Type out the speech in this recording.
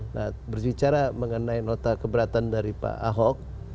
nah berbicara mengenai nota keberatan dari pak ahok